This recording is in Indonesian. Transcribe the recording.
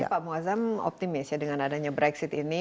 jadi sebenarnya pak muazzam optimis dengan adanya brexit ini